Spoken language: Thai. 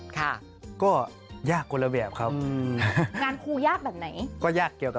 ส่วนเอ่อหมอลำก็ยากกว่าหมอลำค่ะ